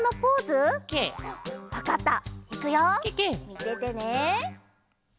みててね。